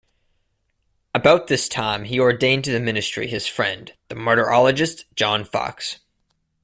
About this time he ordained to the ministry his friend the martyrologist John Foxe.